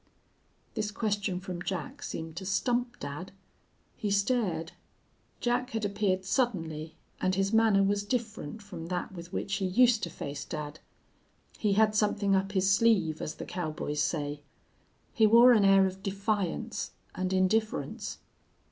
"This question from Jack seemed to stump dad. He stared. Jack had appeared suddenly, and his manner was different from that with which he used to face dad. He had something up his sleeve, as the cowboys say. He wore an air of defiance and indifference.